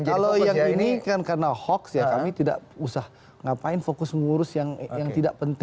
kalau yang ini kan karena hoax ya kami tidak usah ngapain fokus mengurus yang tidak penting